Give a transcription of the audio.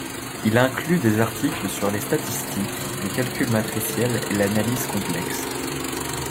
Il inclut des articles sur les statistiques, le calcul matriciel et l'analyse complexe.